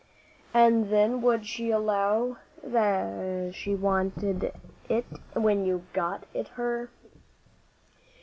"And then would she allow she had wanted it when you got it her?"